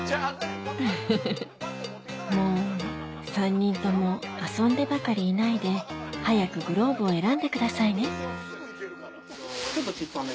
フフフもう３人とも遊んでばかりいないで早くグローブを選んでくださいねちょっと小っさめ。